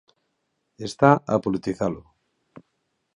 Está a politizalo.